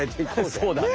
そうだね。